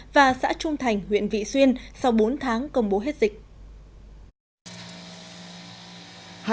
và xã trung thành huyện vị xuyên sau bốn tháng công bố hết dịch